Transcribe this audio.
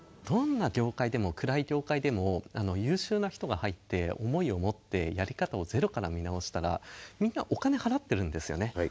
どんな業界でも暗い業界でも優秀な人が入って思いを持ってやり方をゼロから見直したらみんなお金払ってるんですよね